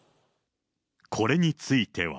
これについては。